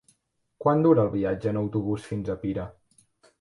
Quant dura el viatge en autobús fins a Pira?